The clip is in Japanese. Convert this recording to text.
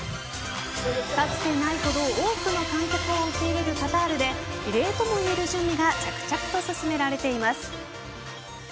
かつてないほど多くの観客を受け入れるカタールで異例ともいえる準備が着々と進められています。